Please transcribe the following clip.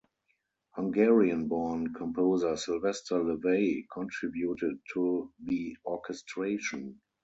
Hungarian-born composer Sylvester Levay contributed to the orchestration.